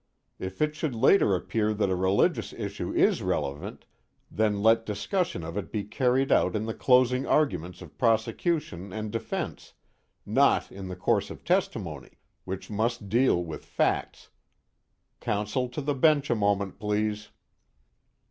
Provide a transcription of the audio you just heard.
If it should later appear that a religious issue is relevant, then let discussion of it be carried out in the closing arguments of prosecution and defense, not in the course of testimony, which must deal with facts. Counsel to the bench a moment, please."